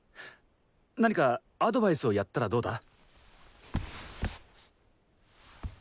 何かアドバイスをやったらどうだ？